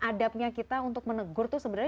adabnya kita untuk menegur tuh sebenarnya